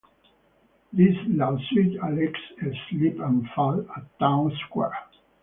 This lawsuit alleges a slip and fall at Town Square.